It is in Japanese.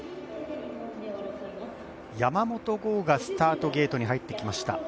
山元豪がスタートゲートに入ってきました。